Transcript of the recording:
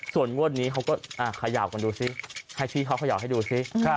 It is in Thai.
ส่วนงวดนี้เขาก็เขย่ากันดูสิให้ชี้เขาเขย่าให้ดูสิ